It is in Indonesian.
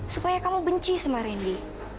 supaya kamu benci sama randy